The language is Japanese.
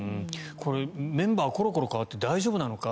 これ、メンバーがコロコロ変わって大丈夫なのか？